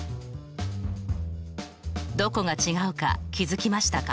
どこが違うか気付きましたか？